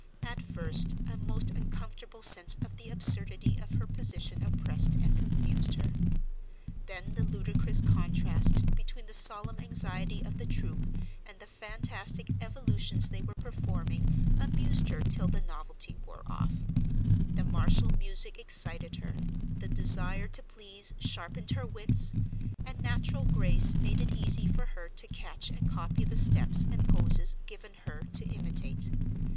At first, a most uncomfortable sense of the absurdity of her position oppressed and confused her; then the ludicrous contrast between the solemn anxiety of the troop and the fantastic evolutions they were performing amused her till the novelty wore off; the martial music excited her; the desire to please sharpened her wits; and natural grace made it easy for her to catch and copy the steps and poses given her to imitate.